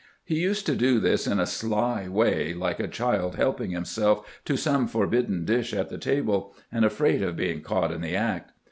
He used to do this in a sly way, like a child helping itseK to some forbidden dish at the table, and afraid of being caught in the act.